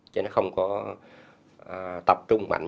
chứ nó không có tập trung mạnh